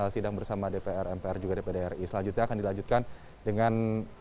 sidang bersama dpr mpr juga dpd ri selanjutnya akan dilanjutkan dengan